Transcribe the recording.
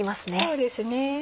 そうですね。